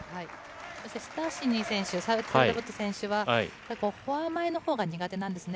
そしてスタシニ選手、セウタブット選手は、フォア前のほうが苦手なんですね。